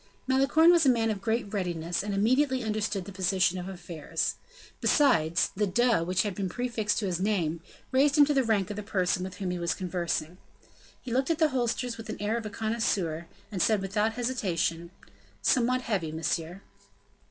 Malicorne was a man of great readiness and immediately understood the position of affairs. Besides, the "de" which had been prefixed to his name, raised him to the rank of the person with whom he was conversing. He looked at the holsters with the air of a connoisseur and said, without hesitation: "Somewhat heavy, monsieur."